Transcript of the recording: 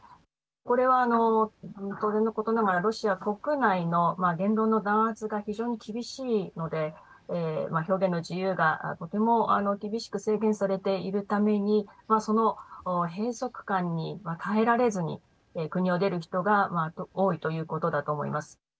これは当然のことながらロシア国内の言論の弾圧が非常に厳しいので表現の自由がとても厳しく制限されているためにその閉塞感に耐えられずに国を出る人が多いということだと思います。